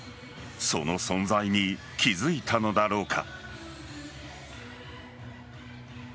その存在に気付いたのだろうか。